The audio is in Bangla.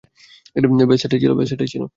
ব্যস এটাই ছিল।